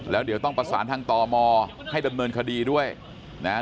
แล้วเดี๋ยวต้องประสานทางตมให้ดำเนินคดีด้วยนะฮะ